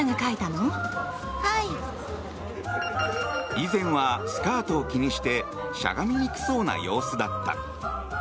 以前は、スカートを気にしてしゃがみにくそうな様子だった。